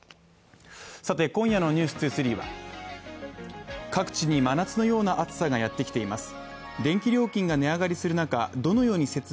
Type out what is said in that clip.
さて、今夜の「ｎｅｗｓ２３」は各地に真夏のような暑さがやってきています。